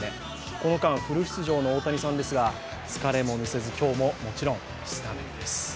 この間、フル出場の大谷さんですが疲れも見せず今日ももちろんスタメンです。